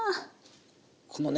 このね